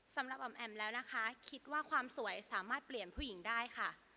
สำหรับออมแอมแล้วนะคะคิดว่าความสวยสามารถเปลี่ยนผู้หญิงได้ค่ะ